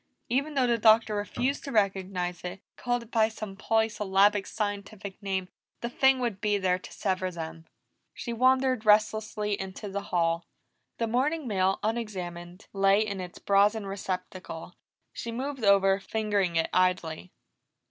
Even though the Doctor refused to recognize it, called it by some polysyllabic scientific name, the thing would be there to sever them. She wandered restlessly into the hall. The morning mail, unexamined, lay in its brazen receptacle, she moved over, fingering it idly.